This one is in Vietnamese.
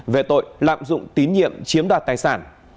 về tội lạm dụng tín nhiệm chiếm đoạt tài sản